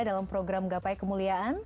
dalam program gapai kemuliaan